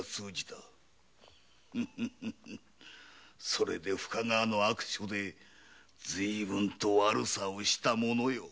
それで深川の悪所で随分と悪さをしたものよ。